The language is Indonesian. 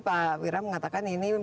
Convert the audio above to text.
pak wiram mengatakan ini